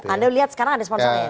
anda lihat sekarang ada sponsor ya